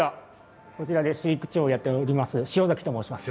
こちらで飼育長をやっております塩崎と申します。